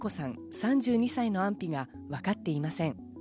３２歳の安否が分かっていません。